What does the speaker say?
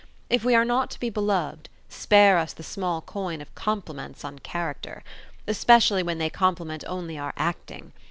If we are not to be beloved, spare us the small coin of compliments on character; especially when they compliment only our acting.